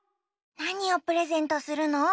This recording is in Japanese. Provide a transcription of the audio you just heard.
なにをプレゼントするの？